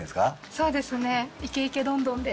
そうですね。